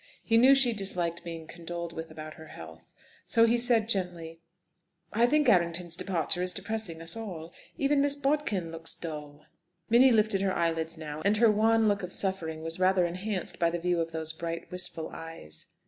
He knew she disliked being condoled with about her health; so he said gently, "I think Errington's departure is depressing us all. Even Miss Bodkin looks dull." Minnie lifted her eyelids now, and her wan look of suffering was rather enhanced by the view of those bright, wistful eyes.